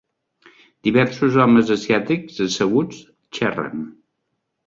Diversos homes asiàtics asseguts xerren.